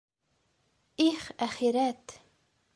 Их, әхирәт!